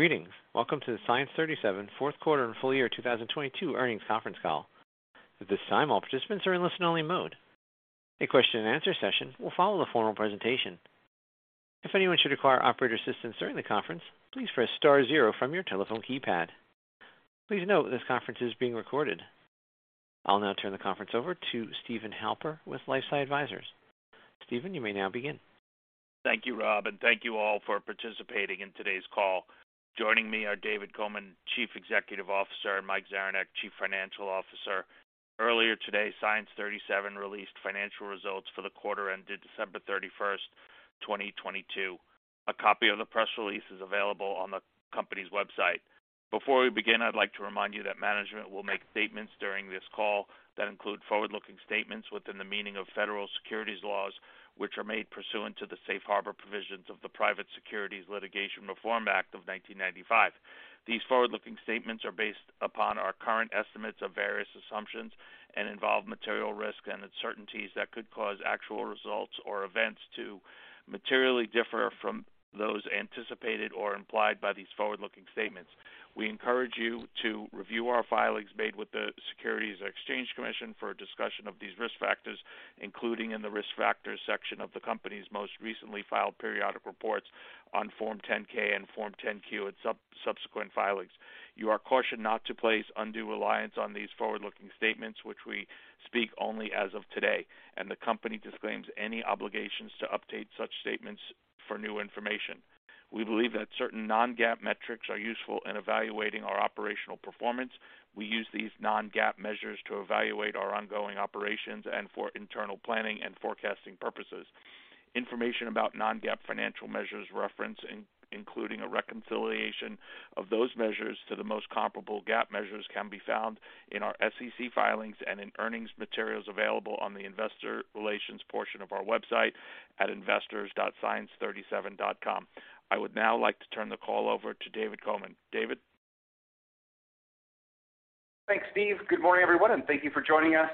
Greetings. Welcome to the Science 37 fourth quarter and full year 2022 earnings conference call. At this time, all participants are in listen-only mode. A question-and-answer session will follow the formal presentation. If anyone should require operator assistance during the conference, please press star zero from your telephone keypad. Please note this conference is being recorded. I'll now turn the conference over to Steven Halper with LifeSci Advisors. Steven, you may now begin. Thank you, Rob, thank you all for participating in today's call. Joining me are David Coman, Chief Executive Officer, and Mike Zaranek, Chief Financial Officer. Earlier today, Science 37 released financial results for the quarter ended December 31st, 2022. A copy of the press release is available on the company's website. Before we begin, I'd like to remind you that management will make statements during this call that include forward-looking statements within the meaning of federal securities laws, which are made pursuant to the Safe Harbor provisions of the Private Securities Litigation Reform Act of 1995. These forward-looking statements are based upon our current estimates of various assumptions and involve material risks and uncertainties that could cause actual results or events to materially differ from those anticipated or implied by these forward-looking statements. We encourage you to review our filings made with the Securities and Exchange Commission for a discussion of these risk factors, including in the Risk Factors section of the company's most recently filed periodic reports on Form 10-K and Form 10-Q and subsequent filings. You are cautioned not to place undue reliance on these forward-looking statements, which we speak only as of today. The company disclaims any obligations to update such statements for new information. We believe that certain non-GAAP metrics are useful in evaluating our operational performance. We use these non-GAAP measures to evaluate our ongoing operations and for internal planning and forecasting purposes. Information about non-GAAP financial measures reference, including a reconciliation of those measures to the most comparable GAAP measures can be found in our SEC filings and in earnings materials available on the Investor Relations portion of our website at investors.science37.com. I would now like to turn the call over to David Coman. David. Thanks, Steve. Good morning, everyone, and thank you for joining us.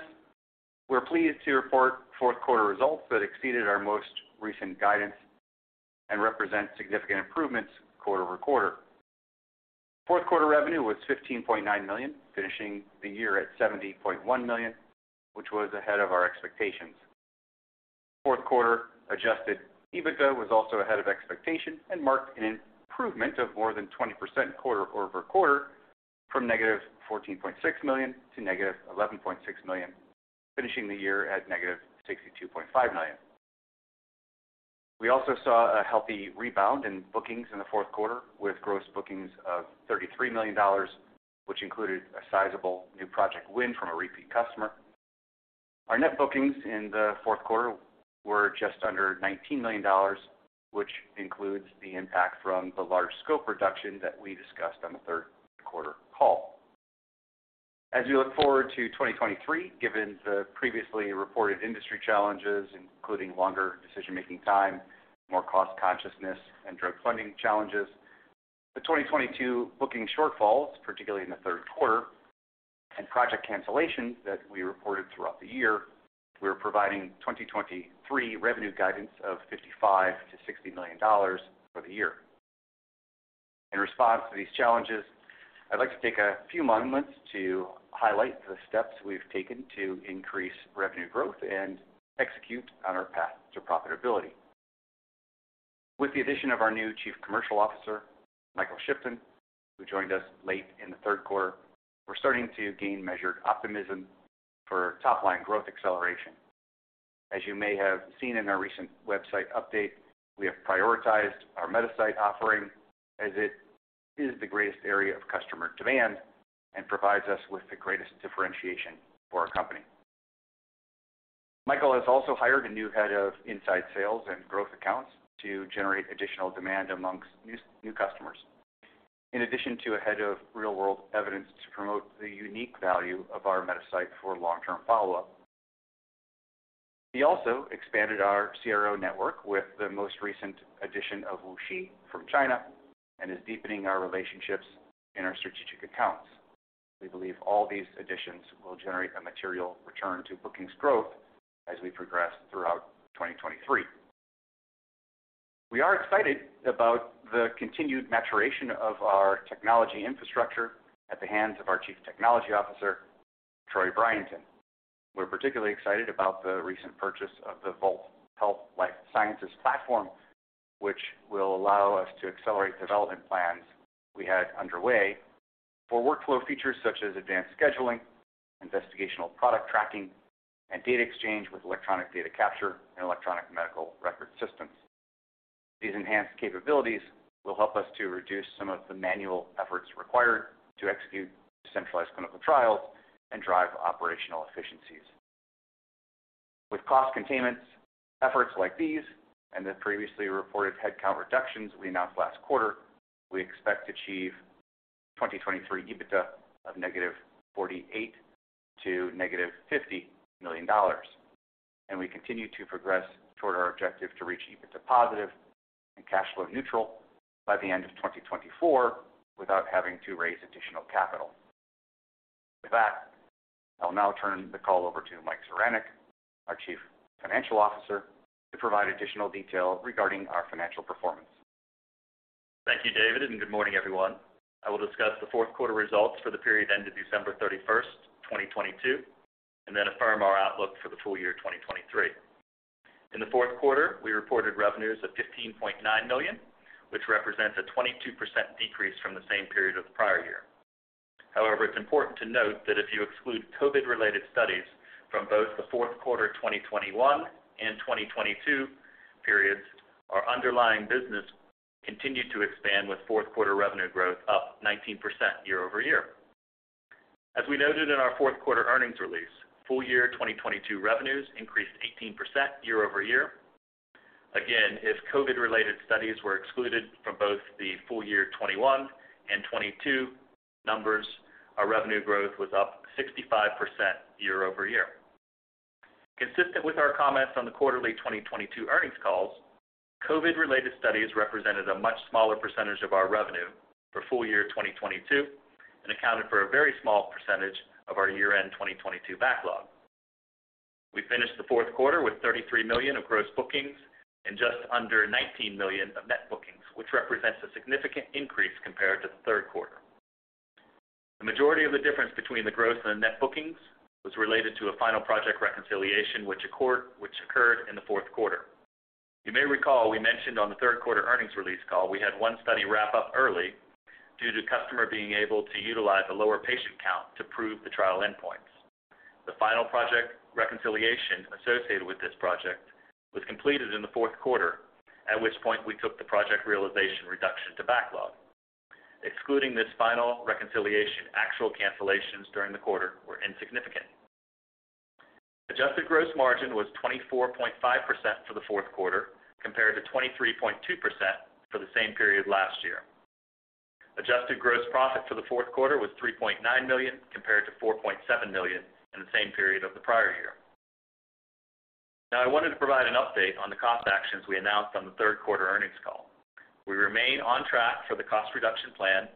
We're pleased to report fourth quarter results that exceeded our most recent guidance and represent significant improvements quarter-over-quarter. Fourth quarter revenue was $15.9 million, finishing the year at $70 million, which was ahead of our expectations. Fourth quarter adjusted EBITDA was also ahead of expectation and marked an improvement of more than 20% quarter-over-quarter from -$14.6 million to -$11.6 million, finishing the year at -$62.5 million. We also saw a healthy rebound in bookings in the fourth quarter with gross bookings of $33 million, which included a sizable new project win from a repeat customer. Our net bookings in the fourth quarter were just under $19 million, which includes the impact from the large scope reduction that we discussed on the third quarter call. As we look forward to 2023, given the previously reported industry challenges, including longer decision-making time, more cost consciousness, and drug funding challenges, the 2022 booking shortfalls, particularly in the third quarter, and project cancellations that we reported throughout the year, we're providing 2023 revenue guidance of $55 million-$60 million for the year. In response to these challenges, I'd like to take a few moments to highlight the steps we've taken to increase revenue growth and execute on our path to profitability. With the addition of our new Chief Commercial Officer, Michael Shipton, who joined us late in the third quarter, we're starting to gain measured optimism for top-line growth acceleration. As you may have seen in our recent website update, we have prioritized our Metasite offering as it is the greatest area of customer demand and provides us with the greatest differentiation for our company. Michael has also hired a new head of inside sales and growth accounts to generate additional demand amongst new customers. In addition to a head of real-world evidence to promote the unique value of our Metasite for long-term follow-up. He also expanded our CRO network with the most recent addition of WuXi from China and is deepening our relationships in our strategic accounts. We believe all these additions will generate a material return to bookings growth as we progress throughout 2023. We are excited about the continued maturation of our technology infrastructure at the hands of our Chief Technology Officer, Troy Bryenton. We're particularly excited about the recent purchase of the Vault Health Life Sciences platform, which will allow us to accelerate development plans we had underway for workflow features such as advanced scheduling, investigational product tracking, and data exchange with electronic data capture and electronic medical record systems. These enhanced capabilities will help us to reduce some of the manual efforts required to execute centralized clinical trials and drive operational efficiencies. With cost containments efforts like these and the previously reported headcount reductions we announced last quarter, we expect to achieve 2023 EBITDA of -$48 million to -$50 million. We continue to progress toward our objective to reach EBITDA positive and cash flow neutral by the end of 2024 without having to raise additional capital. With that, I'll now turn the call over to Mike Zaranek, our Chief Financial Officer, to provide additional detail regarding our financial performance. Thank you, David. Good morning, everyone. I will discuss the fourth quarter results for the period ended December 31st, 2022. We affirm our outlook for the full year 2023. In the fourth quarter, we reported revenues of $15.9 million, which represents a 22% decrease from the same period of the prior year. However, it's important to note that if you exclude COVID-related studies from both the fourth quarter 2021 and 2022 periods, our underlying business continued to expand with fourth quarter revenue growth up 19% year-over-year. As we noted in our fourth quarter earnings release, full year 2022 revenues increased 18% year-over-year. If COVID-related studies were excluded from both the full year 2021 and 2022 numbers, our revenue growth was up 65% year-over-year. Consistent with our comments on the quarterly 2022 earnings calls, COVID-related studies represented a much smaller percentage of our revenue for full year 2022 and accounted for a very small percentage of our year-end 2022 backlog. We finished the fourth quarter with $33 million of gross bookings and just under $19 million of net bookings, which represents a significant increase compared to the third quarter. The majority of the difference between the gross and the net bookings was related to a final project reconciliation which occurred in the fourth quarter. You may recall we mentioned on the third quarter earnings release call we had one study wrap up early due to customer being able to utilize a lower patient count to prove the trial endpoints. The final project reconciliation associated with this project was completed in the fourth quarter, at which point we took the project realization reduction to backlog. Excluding this final reconciliation, actual cancellations during the quarter were insignificant. Adjusted gross margin was 24.5% for the fourth quarter, compared to 23.2% for the same period last year. Adjusted gross profit for the fourth quarter was $3.9 million, compared to $4.7 million in the same period of the prior year. I wanted to provide an update on the cost actions we announced on the third quarter earnings call. We remain on track for the cost reduction plan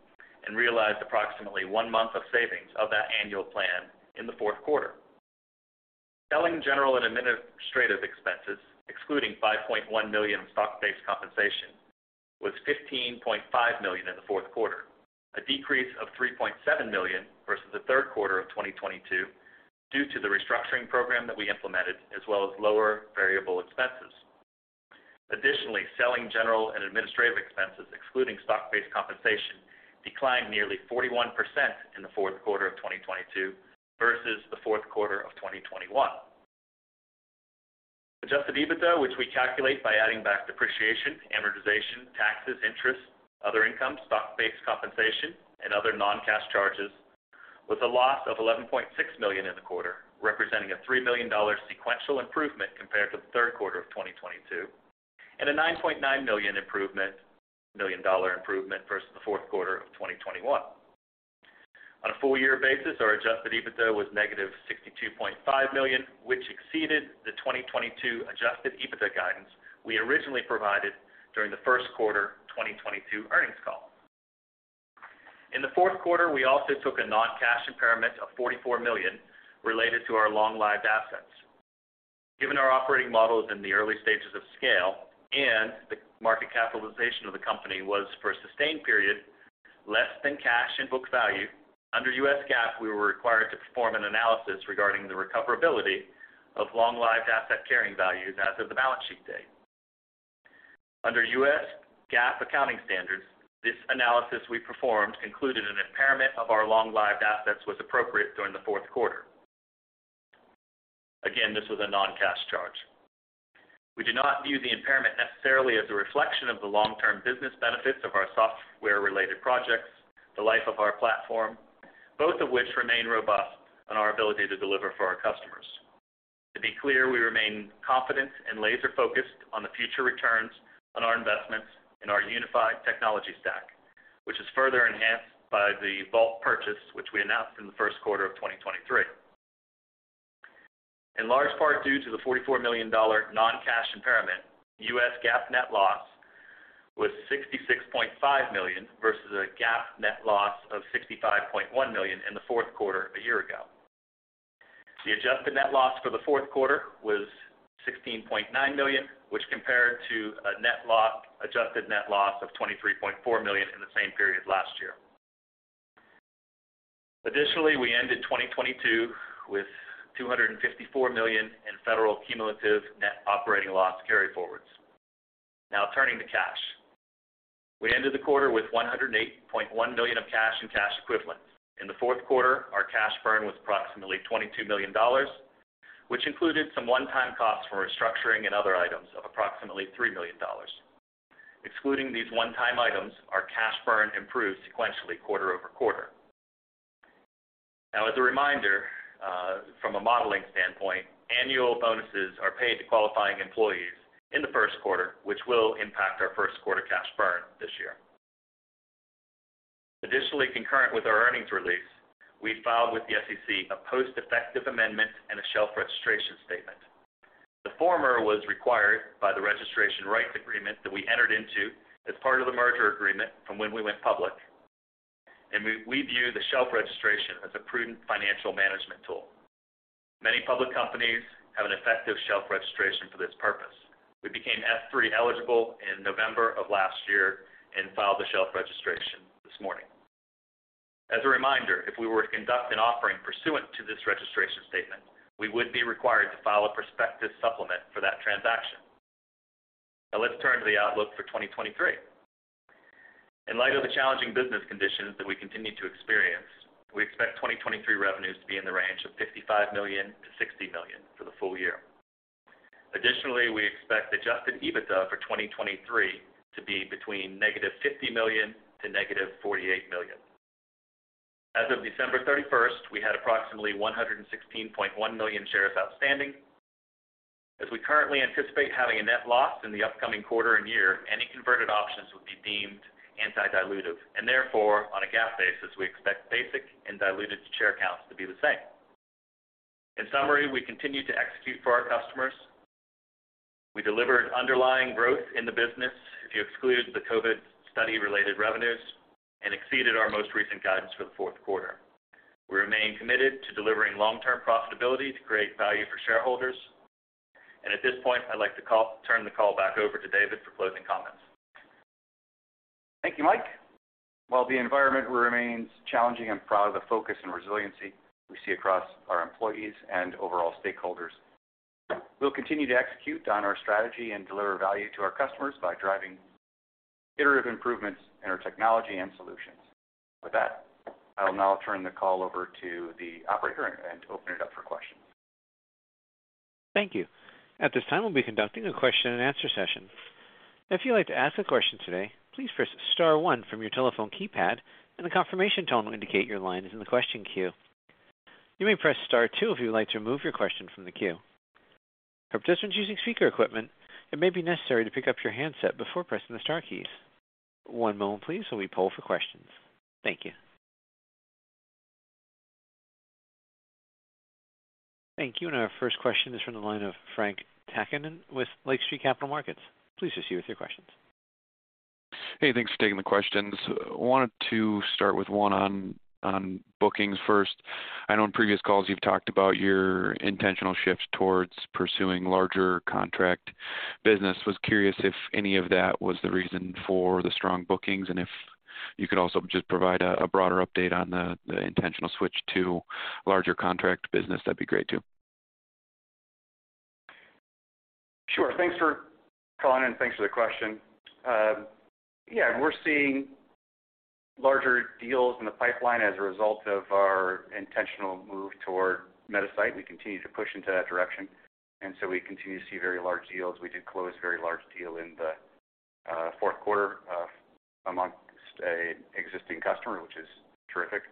and realized approximately one month of savings of that annual plan in the fourth quarter. Selling general and administrative expenses, excluding $5.1 million stock-based compensation, was $15.5 million in the fourth quarter, a decrease of $3.7 million versus the third quarter of 2022 due to the restructuring program that we implemented, as well as lower variable expenses. Selling general and administrative expenses excluding stock-based compensation declined nearly 41% in the fourth quarter of 2022 versus the fourth quarter of 2021. Adjusted EBITDA, which we calculate by adding back depreciation, amortization, taxes, interest, other income, stock-based compensation, and other non-cash charges, was a loss of $11.6 million in the quarter, representing a $3 million sequential improvement compared to the third quarter of 2022 and a $9.9 million improvement versus the fourth quarter of 2021. On a full year basis, our adjusted EBITDA was -$62.5 million, which exceeded the 2022 adjusted EBITDA guidance we originally provided during the first quarter 2022 earnings call. In the fourth quarter, we also took a non-cash impairment of $44 million related to our long-lived assets. Given our operating model is in the early stages of scale and the market capitalization of the company was, for a sustained period, less than cash and book value, under U.S. GAAP, we were required to perform an analysis regarding the recoverability of long-lived asset carrying values as of the balance sheet date. Under U.S. GAAP accounting standards, this analysis we performed concluded an impairment of our long-lived assets was appropriate during the fourth quarter. This was a non-cash charge. We do not view the impairment necessarily as a reflection of the long-term business benefits of our software-related projects, the life of our platform, both of which remain robust on our ability to deliver for our customers. To be clear, we remain confident and laser focused on the future returns on our investments in our unified technology stack, which is further enhanced by the Vault purchase, which we announced in the first quarter of 2023. In large part, due to the $44 million non-cash impairment, U.S. GAAP net loss was $66.5 million versus a GAAP net loss of $65.1 million in the fourth quarter a year ago. The adjusted net loss for the fourth quarter was $16.9 million, which compared to an adjusted net loss of $23.4 million in the same period last year. We ended 2022 with $254 million in federal cumulative net operating loss carryforwards. Turning to cash. We ended the quarter with $108.1 million of cash and cash equivalents. In the fourth quarter, our cash burn was approximately $22 million, which included some one-time costs for restructuring and other items of approximately $3 million. Excluding these one-time items, our cash burn improved sequentially quarter-over-quarter. As a reminder, from a modeling standpoint, annual bonuses are paid to qualifying employees in the first quarter, which will impact our first quarter cash burn this year. Additionally, concurrent with our earnings release, we filed with the SEC a post-effective amendment and a shelf registration statement. The former was required by the registration rights agreement that we entered into as part of the merger agreement from when we went public, we view the shelf registration as a prudent financial management tool. Many public companies have an effective shelf registration for this purpose. We became S-3 eligible in November of last year and filed the shelf registration this morning. As a reminder, if we were to conduct an offering pursuant to this registration statement, we would be required to file a prospectus supplement for that transaction. Let's turn to the outlook for 2023. In light of the challenging business conditions that we continue to experience, we expect 2023 revenues to be in the range of $55 million-$60 million for the full year. Additionally, we expect adjusted EBITDA for 2023 to be between -$50 million to -$48 million. As of December 31st, 2022 we had approximately 116.1 million shares outstanding. As we currently anticipate having a net loss in the upcoming quarter and year, any converted options would be deemed anti-dilutive and therefore, on a GAAP basis, we expect basic and diluted share counts to be the same. In summary, we continue to execute for our customers. We delivered underlying growth in the business if you exclude the COVID study-related revenues and exceeded our most recent guidance for the fourth quarter. We remain committed to delivering long-term profitability to create value for shareholders. At this point, I'd like to turn the call back over to David for closing comments. Thank you, Mike. While the environment remains challenging, I'm proud of the focus and resiliency we see across our employees and overall stakeholders. We'll continue to execute on our strategy and deliver value to our customers by driving iterative improvements in our technology and solutions. With that, I will now turn the call over to the operator and open it up for questions. Thank you. At this time, we'll be conducting a question-and-answer session. If you'd like to ask a question today, please press star one from your telephone keypad, a confirmation tone will indicate your line is in the question queue. You may press star two if you would like to remove your question from the queue. For participants using speaker equipment, it may be necessary to pick up your handset before pressing the star keys. One moment please while we poll for questions. Thank you. Thank you. Our first question is from the line of Frank Takkinen with Lake Street Capital Markets. Please proceed with your questions. Hey, thanks for taking the questions. Wanted to start with one on bookings first. I know in previous calls you've talked about your intentional shift towards pursuing larger contract business. Was curious if any of that was the reason for the strong bookings, and if you could also just provide a broader update on the intentional switch to larger contract business, that'd be great too. Sure. Thanks for calling, and thanks for the question. Yeah, we're seeing larger deals in the pipeline as a result of our intentional move toward Metasite. We continue to push into that direction, and so we continue to see very large deals. We did close a very large deal in the fourth quarter amongst a existing customer, which is terrific.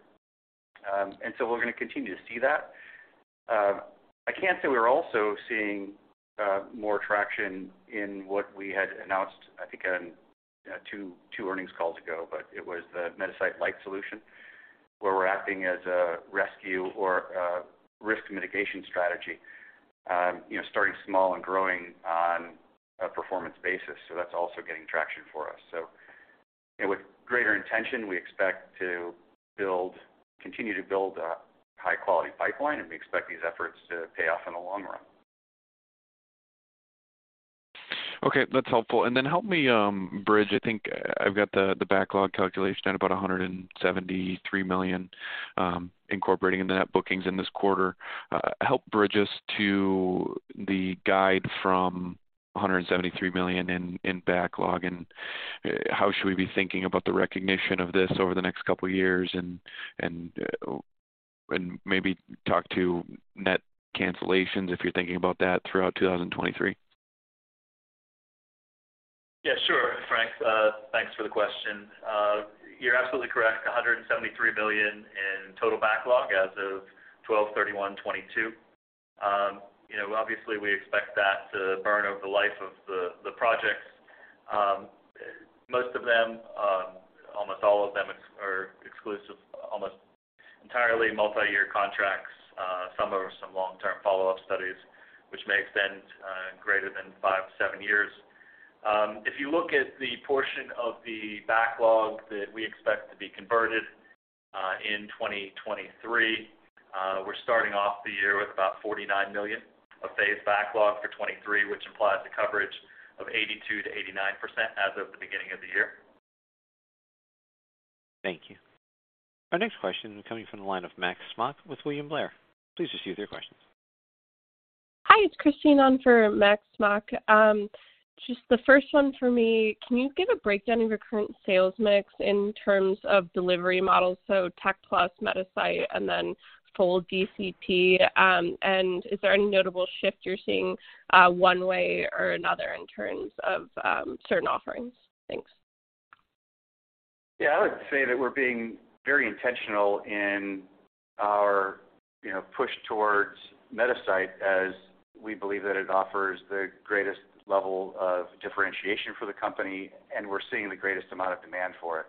We're gonna continue to see that. I can say we're also seeing more traction in what we had announced, I think on two earnings calls ago, but it was the Metasite Lite solution, where we're acting as a rescue or risk mitigation strategy, you know, starting small and growing on a performance basis. That's also getting traction for us. You know, with greater intention, we expect to continue to build a high-quality pipeline, and we expect these efforts to pay off in the long run. Okay, that's helpful. Help me bridge, I think I've got the backlog calculation at about $173 million, incorporating the net bookings in this quarter. Help bridge us to the guide from $173 million in backlog, and how should we be thinking about the recognition of this over the next couple of years? Maybe talk to net cancellations, if you're thinking about that throughout 2023. Yeah, sure. Frank, thanks for the question. You're absolutely correct. $173 million in total backlog as of December 31st, 2022. You know, obviously, we expect that to burn over the life of the projects. Most of them, almost all of them are exclusive, almost entirely multiyear contracts, some are long-term follow-up studies which may extend greater than five to seven years. If you look at the portion of the backlog that we expect to be converted in 2023, we're starting off the year with about $49 million of phased backlog for 2023, which implies a coverage of 82%-89% as of the beginning of the year. Thank you. Our next question coming from the line of Max Smock with William Blair. Please proceed with your questions. Hi, it's Christine on for Max Smock. Just the first one for me. Can you give a breakdown of your current sales mix in terms of delivery models, so tech plus Metasite and then full DCP? Is there any notable shift you're seeing one way or another in terms of certain offerings? Thanks. Yeah. I would say that we're being very intentional in our, you know, push towards Metasite as we believe that it offers the greatest level of differentiation for the company, and we're seeing the greatest amount of demand for it.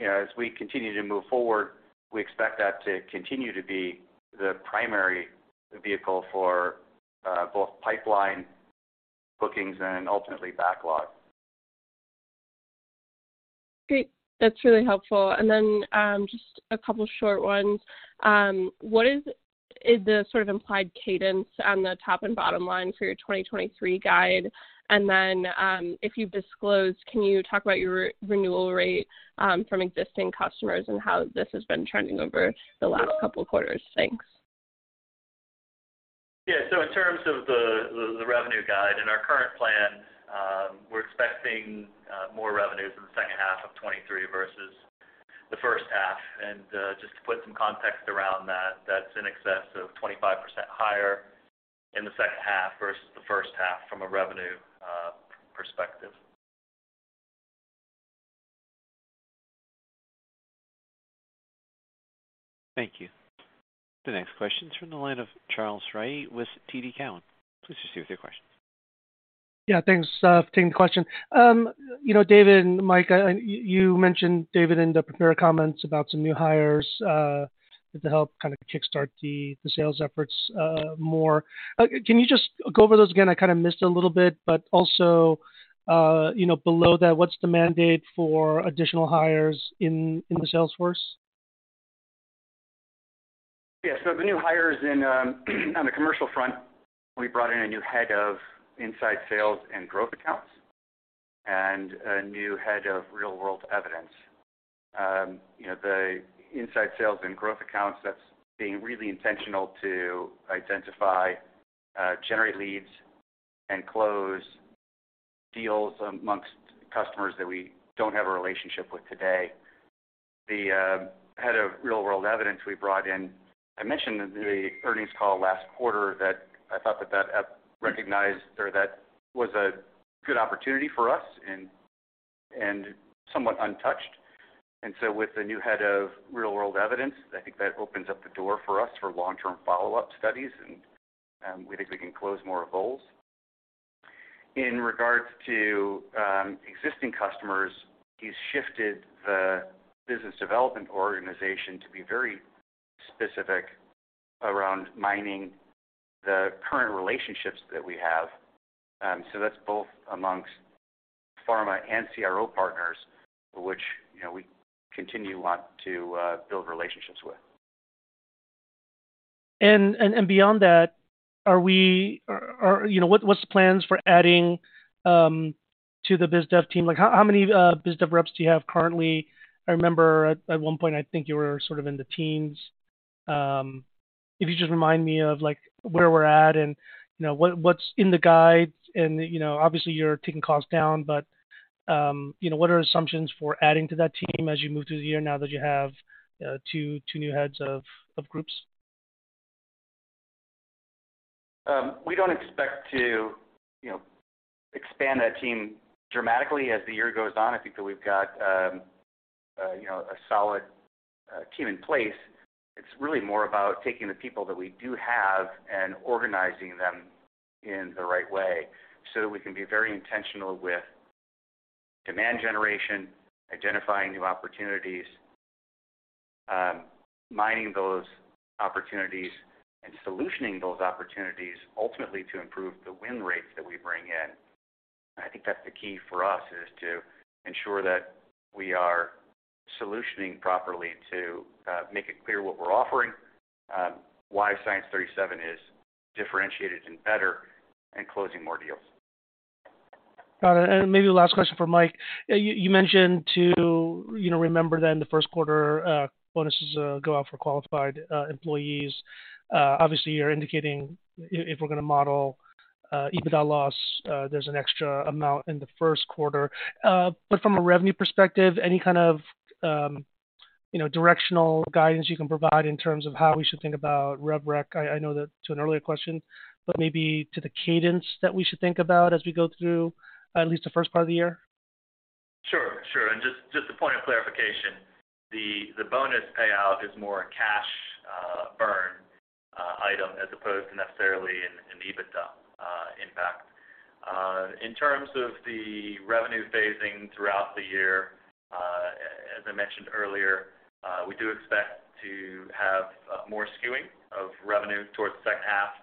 You know, as we continue to move forward, we expect that to continue to be the primary vehicle for both pipeline bookings and ultimately backlog. Great. That's really helpful. Just a couple short ones. What is the sort of implied cadence on the top and bottom line for your 2023 guide? If you've disclosed, can you talk about your re-renewal rate from existing customers and how this has been trending over the last couple quarters? Thanks. Yeah. In terms of the revenue guide, in our current plan, we're expecting more revenues in the second half of 2023 versus the first half. Just to put some context around that's in excess of 25% higher in the second half versus the first half from a revenue perspective. Thank you. The next question is from the line of Charles Rhyee with TD Cowen. Please proceed with your question. Yeah, thanks for taking the question. You know, David and Mike, you mentioned, David, in the prepared comments about some new hires to help kind of kickstart the sales efforts more. Can you just go over those again? I kind of missed a little bit, also, you know, below that, what's the mandate for additional hires in the sales force? Yeah. The new hires in, on the commercial front, we brought in a new head of inside sales and growth accounts, and a new head of real-world evidence. You know, the inside sales and growth accounts, that's being really intentional to identify, generate leads and close deals amongst customers that we don't have a relationship with today. The head of real-world evidence we brought in, I mentioned in the earnings call last quarter that I thought that was a good opportunity for us and somewhat untouched. With the new head of real-world evidence, I think that opens up the door for us for long-term follow-up studies, and we think we can close more goals. In regards to existing customers, he's shifted the business development organization to be very specific around mining the current relationships that we have. That's both amongst pharma and CRO partners, which, you know, we continue want to build relationships with. Beyond that, you know, what's the plans for adding to the biz dev team? Like, how many biz dev reps do you have currently? I remember at one point, I think you were sort of in the teens. If you just remind me of, like, where we're at and, you know, what's in the guides and, you know, obviously you're taking costs down, but, you know, what are assumptions for adding to that team as you move through the year now that you have two new heads of groups? We don't expect to, you know, expand that team dramatically as the year goes on. I think that we've got, you know, a solid team in place. It's really more about taking the people that we do have and organizing them in the right way so that we can be very intentional with demand generation, identifying new opportunities, mining those opportunities and solutioning those opportunities ultimately to improve the win rates that we bring in. I think that's the key for us, is to ensure that we are solutioning properly to make it clear what we're offering, why Science 37 is differentiated and better and closing more deals. Got it. Maybe last question for Mike. You mentioned to, you know, remember that in the first quarter, bonuses go out for qualified employees. Obviously you're indicating if we're going to model EBITDA loss, there's an extra amount in the first quarter. From a revenue perspective, any kind of, you know, directional guidance you can provide in terms of how we should think about rev rec. I know that to an earlier question, but maybe to the cadence that we should think about as we go through at least the first part of the year. Sure. Sure. Just a point of clarification, the bonus payout is more a cash burn item as opposed to necessarily an EBITDA impact. In terms of the revenue phasing throughout the year, as I mentioned earlier, we do expect to have more skewing of revenue towards the second half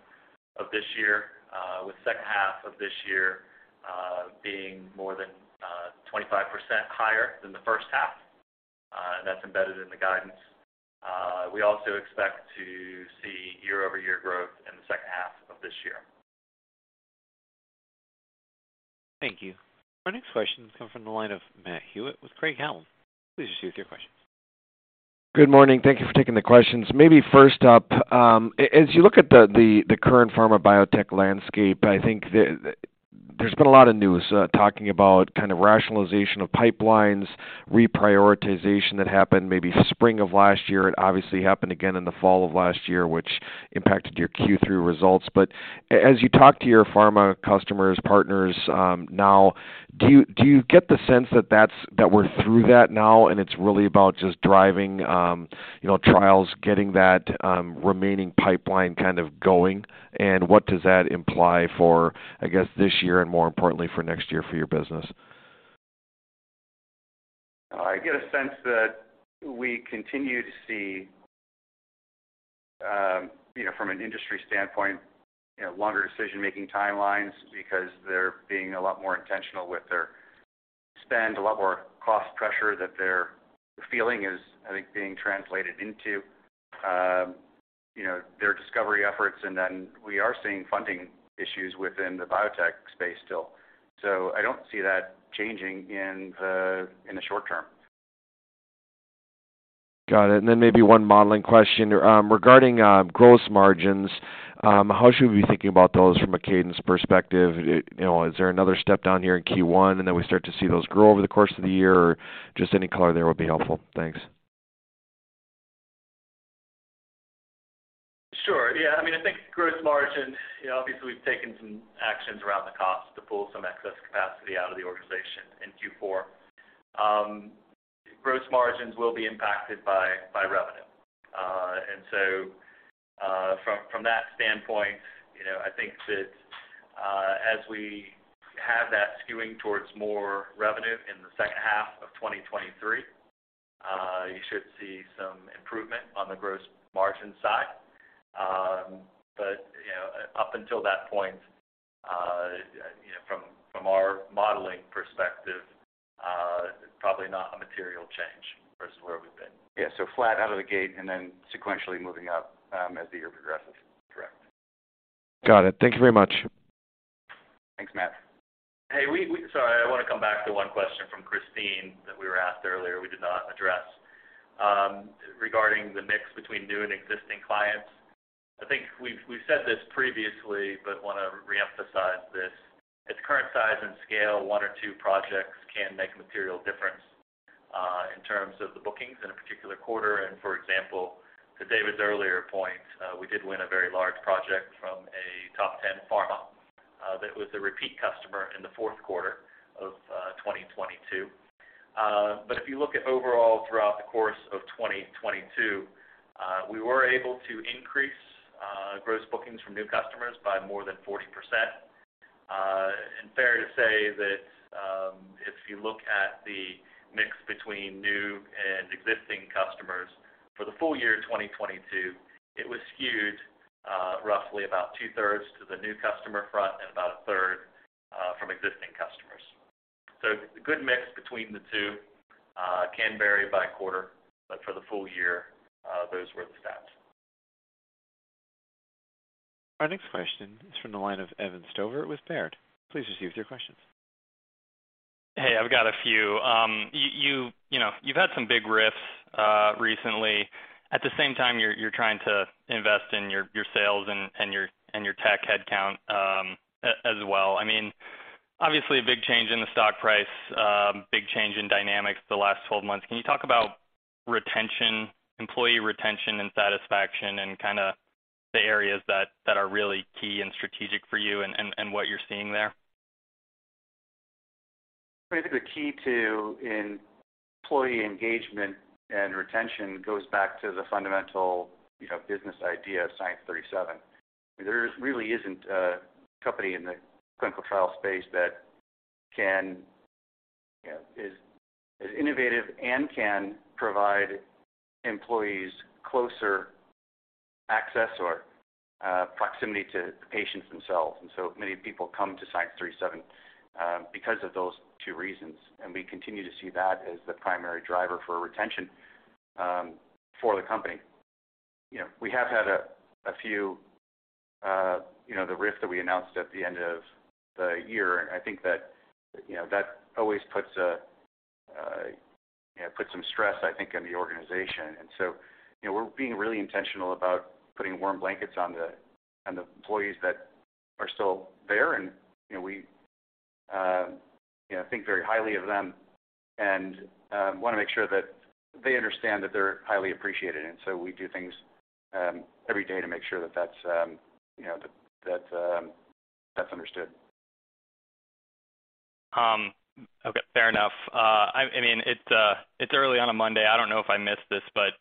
of this year, with second half of this year being more than 25% higher than the first half. That's embedded in the guidance. We also expect to see year-over-year growth in the second half of this year. Thank you. Our next question come from the line of Matt Hewitt with Craig-Hallum. Please proceed with your question. Good morning. Thank you for taking the questions. Maybe first up, as you look at the current pharma biotech landscape, I think there's been a lot of news talking about kind of rationalization of pipelines, reprioritization that happened maybe spring of last year. It obviously happened again in the fall of last year, which impacted your Q3 results. As you talk to your pharma customers, partners, now, do you get the sense that we're through that now and it's really about just driving, you know, trials, getting that remaining pipeline kind of going? What does that imply for, I guess, this year and more importantly for next year for your business? I get a sense that we continue to see, you know, from an industry standpoint, you know, longer decision-making timelines because they're being a lot more intentional with their spend, a lot more cost pressure that they're feeling is, I think, being translated into, you know, their discovery efforts. We are seeing funding issues within the biotech space still. I don't see that changing in the, in the short term. Got it. Then maybe one modeling question. Regarding gross margins, how should we be thinking about those from a cadence perspective? You know, is there another step down here in Q1, and then we start to see those grow over the course of the year? Just any color there would be helpful. Thanks. Sure. Yeah. I mean, I think gross margin, you know, obviously we've taken some actions around the cost to pull some excess capacity out of the organization in Q4. Gross margins will be impacted by revenue. From that standpoint, you know, I think that, as we have that skewing towards more revenue in the second half of 2023, you should see some improvement on the gross margin side. You know, up until that point, you know, from our modeling perspective, probably not a material change versus where we've been. Yeah. Flat out of the gate and then sequentially moving up as the year progresses. Correct. Got it. Thank you very much. Thanks, Matt. Sorry, I wanna come back to one question from Christine that we were asked earlier we did not address regarding the mix between new and existing clients. I think we've said this previously, but wanna reemphasize this. At current size and scale, one or two projects can make a material difference in terms of the bookings in a particular quarter. For example, to David's earlier point, we did win a very large project from a top 10 pharma that was a repeat customer in the fourth quarter of 2022. If you look at overall throughout the course of 2022, we were able to increase gross bookings from new customers by more than 40%. Fair to say that, if you look at the mix between new and existing customers for the full year 2022, it was skewed, roughly about 2/3 to the new customer front and about 1/3 from existing customers. A good mix between the two, can vary by quarter, but for the full year, those were the stats. Our next question is from the line of Evan Stover with Baird. Please proceed with your questions. Hey, I've got a few. You know, you've had some big riffs recently. At the same time, you're trying to invest in your sales and your tech headcount as well. I mean, obviously a big change in the stock price, big change in dynamics the last 12 months. Can you talk about retention, employee retention and satisfaction and kinda the areas that are really key and strategic for you and what you're seeing there? I think the key in employee engagement and retention goes back to the fundamental, you know, business idea of Science 37. There really isn't a company in the clinical trial space that can, you know, is innovative and can provide employees closer access or proximity to patients themselves. Many people come to Science 37 because of those two reasons, and we continue to see that as the primary driver for retention for the company. You know, we have had a few, you know, the rift that we announced at the end of the year, I think that, you know, that always puts a, you know, puts some stress, I think, on the organization. You know, we're being really intentional about putting warm blankets on the employees that are still there. You know, we, you know, think very highly of them and wanna make sure that they understand that they're highly appreciated. We do things every day to make sure that that's, you know, that's understood. Okay, fair enough. I mean, it's early on a Monday. I don't know if I missed this, but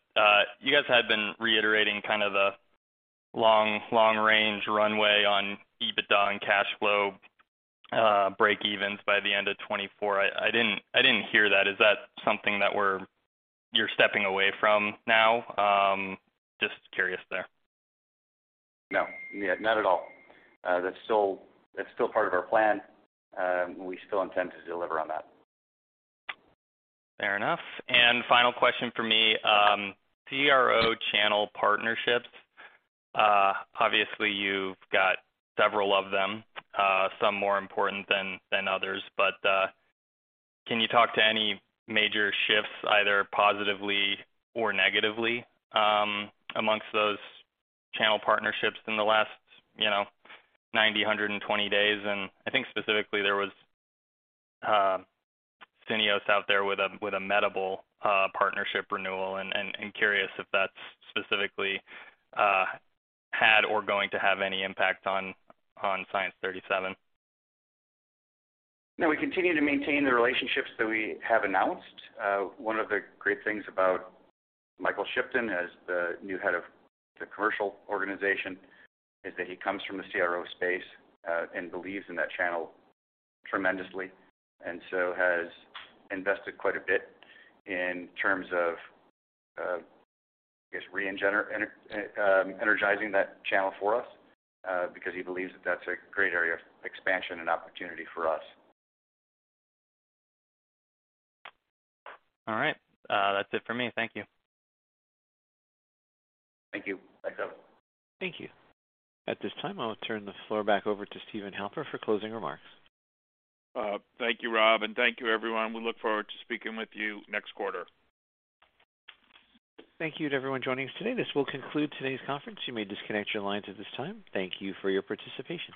you guys had been reiterating kind of the long, long range runway on EBITDA and cash flow breakevens by the end of 2024. I didn't hear that. Is that something that you're stepping away from now? Just curious there. No. Yeah, not at all. That's still part of our plan. We still intend to deliver on that. Fair enough. Final question for me. CRO channel partnerships, obviously you've got several of them, some more important than others. Can you talk to any major shifts either positively or negatively amongst those channel partnerships in the last 90, 120 days? I think specifically there was Syneos out there with a Medable partnership renewal and curious if that's specifically had or going to have any impact on Science 37. No, we continue to maintain the relationships that we have announced. One of the great things about Michael Shipton as the new head of the commercial organization is that he comes from the CRO space, and believes in that channel tremendously, and so has invested quite a bit in terms of, I guess energizing that channel for us, because he believes that that's a great area of expansion and opportunity for us. All right. That's it for me. Thank you. Thank you. Thanks, Evan. Thank you. At this time, I'll turn the floor back over to Steven Halper for closing remarks. Thank you, Rob, and thank you everyone. We look forward to speaking with you next quarter. Thank you to everyone joining us today. This will conclude today's conference. You may disconnect your lines at this time. Thank you for your participation.